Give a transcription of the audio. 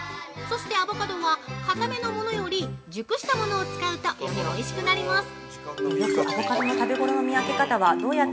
そしてアボカドは硬めのものより熟したものを使うと、よりおいしくなります！